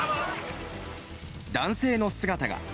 男性の姿が。